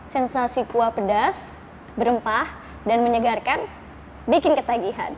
sensasi kuah pedas berempah dan menyegarkan bikin ketagihan